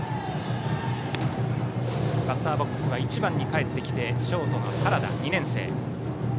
バッターボックスは１番にかえってショートの原田、２年生。